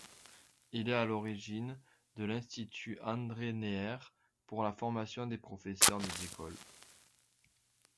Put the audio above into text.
Il est à l'origine de l'Institut André-Neher pour la formation des professeurs des écoles.